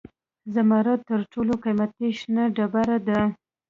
زمرد تر ټولو قیمتي شنه ډبره ده.